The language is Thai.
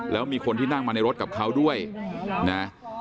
แล้วมีคนที่นั่งมาในรถกับเขาด้วยนะ